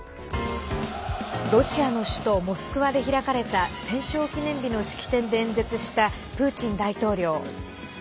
ロシアの首都モスクワで開かれた戦勝記念日の式典で演説したプーチン大統領。